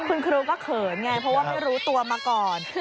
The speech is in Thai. คุณครูก็เขินไงเพราะว่าไม่รู้ตัวมาก่อน